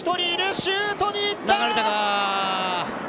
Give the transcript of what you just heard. シュートに行った！